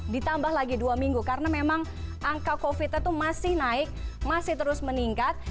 ditambah lagi dua minggu karena memang angka covid nya itu masih naik masih terus meningkat